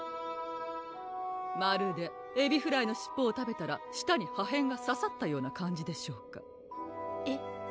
まるでエビフライの尻尾を食べたら舌に破片がささったような感じでしょうかえっ？